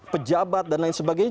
pejabat dan lain sebagainya